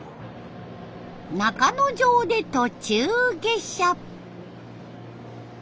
中之条で途中下車。